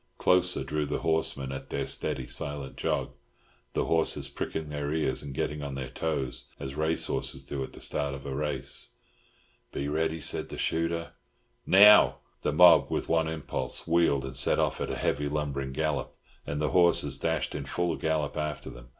Closer drew the horsemen at their steady, silent jog, the horses pricking their ears and getting on their toes as race horses do at the start of a race. "Be ready," said the shooter. "Now!" The mob, with one impulse, wheeled, and set off at a heavy lumbering gallop, and the horses dashed in full gallop after them.